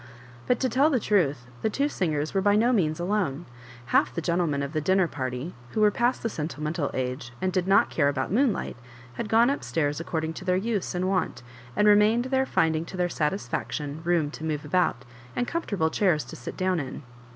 But, to tell the truth, the two smgers were by no means alone. Half the gentlemen of the dinner party, whc were past the sentimental age, and did not care about moonlight, had gone up stairs according to their use and wont, and remained there, Ending, to their great satisfaction, room to move about, and comfortable chairs to sit down in.